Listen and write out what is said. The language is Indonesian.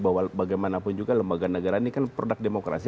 bahwa bagaimanapun juga lembaga negara ini kan produk demokrasi